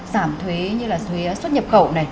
giảm thuế như là thuế xuất nhập khẩu này